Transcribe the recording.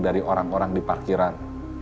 dari orang orang di parkiran